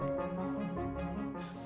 anwar musadat pembeli bbm